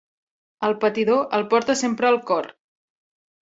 El patidor el porta sempre al cor.